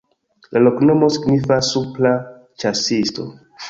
La loknomo signifas: supra-ĉasisto.